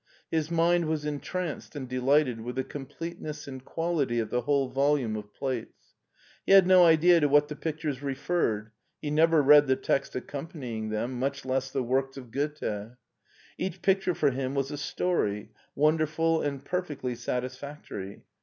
His mind was entranced and delighted with the completeness and quality of tHe whole volume of plates. He had no idea to what the pictures referred ; he neve^ read the text accompanving them, much less the works of Goethe. Each picture for him was a story, wonderful land perfectly satisfactory.